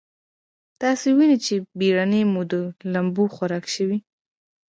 تاسې وينئ چې بېړۍ مو د لمبو خوراک شوې.